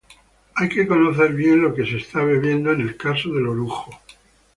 Hay que conocer bien lo que se está bebiendo en el caso del orujo.